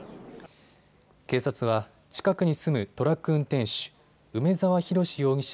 警察は近くに住むトラック運転手、梅澤洋容疑者